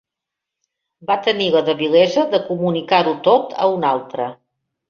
Va tenir la debilesa de comunicar-ho tot a un altre.